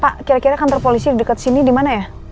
pak kira kira kantor polisi di dekat sini di mana ya